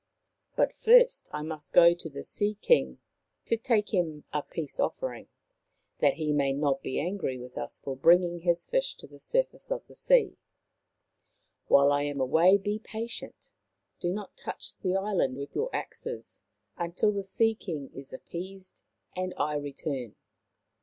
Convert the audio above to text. But first I must go to the Sea king to take him a peaceoffering, that he may not be angry with us for bringing his fish to the surface of the sea. While I am away, be patient. Do not touch the island with your axes until the Sea king is appeased and I return."